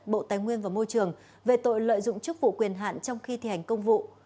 bộ tài nguyên và môi trường về tội lợi dụng chức vụ quyền hạn trong khi thi hành công vụ